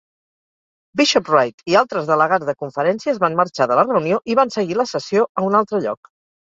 Bishop Wright i altres delegats de conferències van marxar de la reunió i van seguir la sessió a un altre lloc.